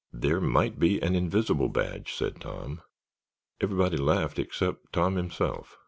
"There might be an invisible badge," said Tom. Everybody laughed except Tom himself.